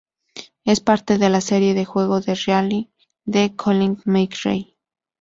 Es parte de la serie de juego del Rally de "Colin McRae".